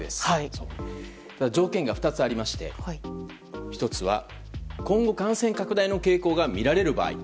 条件が２つありまして１つは、今後感染拡大の傾向がみられる場合。